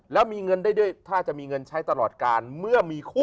แล้วมีเงินได้ด้วยถ้าจะมีเงินใช้ตลอดการเมื่อมีคู่